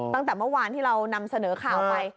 ตั้งแต่เมื่อวานที่เรานำเสนอข่าวไป